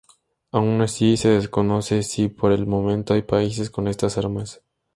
Aun así, se desconoce si por el momento hay países con estas armas.